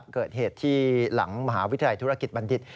เกิดเหตุที่หลังมหาวิทยาลัยธุรกิจบัณฑิต